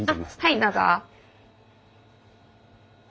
はいどうぞ。